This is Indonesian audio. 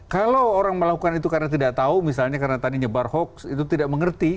kalau orang melakukan itu karena tidak tahu misalnya karena tadi nyebar hoax itu tidak mengerti